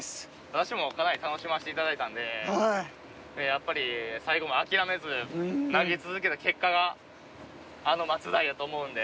私もかなり楽しませて頂いたんでやっぱり最後まで諦めず投げ続けた結果があのマツダイだと思うんで。